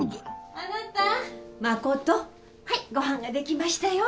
あなた真はいご飯ができましたよ